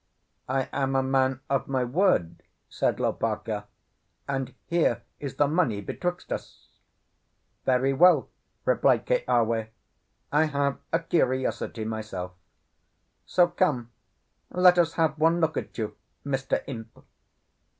"I am a man of my word," said Lopaka. "And here is the money betwixt us." "Very well," replied Keawe. "I have a curiosity myself. So come, let us have one look at you, Mr. Imp."